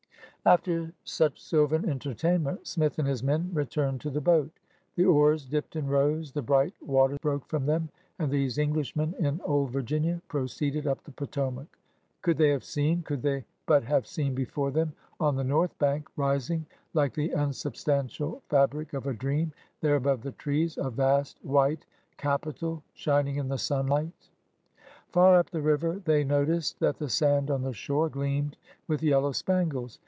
After such sylvan entertainment Smith and his men returned to the boat. The oars dipped and rose, the bright water broke from them; and these Englishmen in Old Virginia proceeded up the Potomac. Could they have seen — could they but have seen before th^n, on the north bank, rising, like the unsub stantial fabric of a dream, there above the trees, a vast, white Capitol shining in the sunlight! Far up the river, they noticed that the sand on the shore gleamed with yellow spangles.